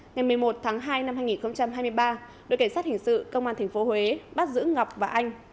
ngày một mươi một tháng hai năm hai nghìn hai mươi ba đội cảnh sát hình sự công an tp huế bắt giữ ngọc và anh